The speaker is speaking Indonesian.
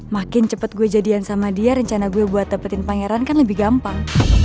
makin cepat gue jadian sama dia rencana gue buat dapetin pangeran kan lebih gampang